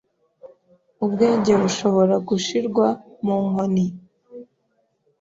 Ubwenge bushobora gushirwa mu nkoni